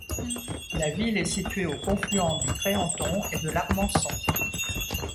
La ville est située au confluent du Créanton et de l'Armançon.